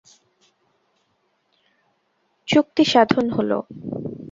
চুক্তি সাধন হলো।